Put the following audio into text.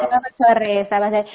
selamat sore selamat sore